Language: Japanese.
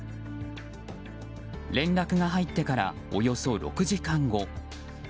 連絡が入ってからおよそ６時間後。